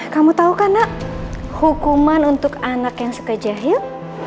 kamu tahu kan nak hukuman untuk anak yang suka jahit